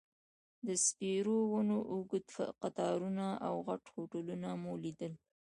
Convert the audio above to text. د سپیرو ونو اوږد قطارونه او غټ هوټلونه مو لیدل.